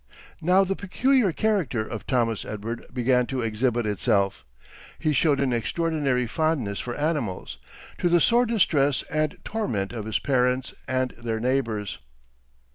Now the peculiar character of Thomas Edward began to exhibit itself. He showed an extraordinary fondness for animals, to the sore distress and torment of his parents and their neighbors.